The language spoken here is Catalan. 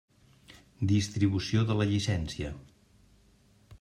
Distribució de la llicència.